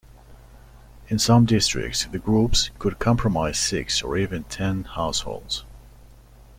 In some districts, the groups could comprise six, or even ten, households.